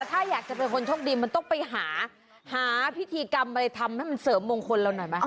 ถ้าอยากจะเป็นคนโชคดีมันต้องไปหาหาพิธีกรรมอะไรทำให้มันเสริมมงคลเราหน่อยไหม